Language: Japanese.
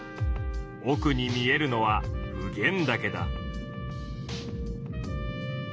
おくに見えるのは普賢岳だ。